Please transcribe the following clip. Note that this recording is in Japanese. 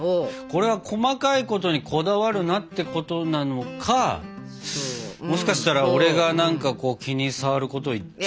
これは細かいことにこだわるなってことなのかもしかしたら俺が何か気に障ること言っちゃって。